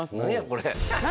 これ。